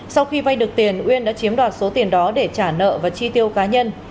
sau khi vay được tiền uyên đã chiếm đoạt số tiền đó để trả nợ và chi tiêu cá nhân